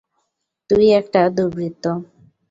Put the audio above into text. তুই একটা দুর্বৃত্ত!